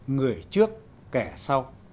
người trước kẻ sau